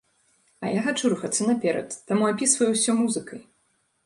А я хачу рухацца наперад, таму апісваю ўсё музыкай!